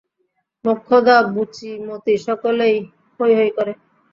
মোক্ষদা, বুচি, মতি সকলেই হৈ হৈ করে।